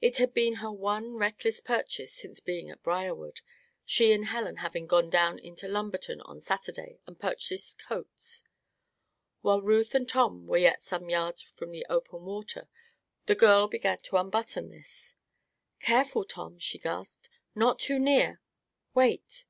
It had been her one reckless purchase since being at Briarwood, she and Helen having gone down into Lumberton on Saturday and purchased coats. While Ruth and Tom were yet some yards from the open water the girl began to unbutton this. "Careful, Tom!" she gasped. "Not too near wait!"